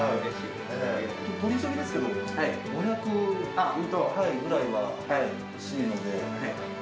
取り急ぎですけど、５００ぐらいは欲しいので。